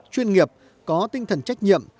chuyên nghiệp có tinh thần trách nhiệm